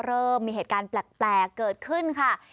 เริ่มมีเหตุการณ์แปลกเกิดขึ้นค่ะ